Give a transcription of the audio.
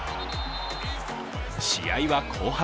試合は後半。